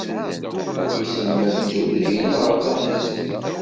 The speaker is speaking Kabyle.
wissen ma d tuggdi neɣ d aḥezzeb?